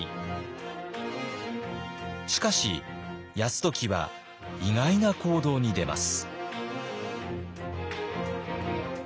しかし泰時は意外な行動に出ます。